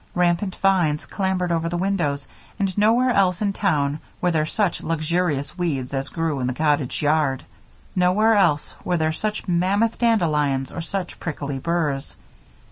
Rampant vines clambered over the windows and nowhere else in town were there such luxurious weeds as grew in the cottage yard. Nowhere else were there such mammoth dandelions or such prickly burrs.